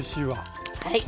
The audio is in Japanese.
はい。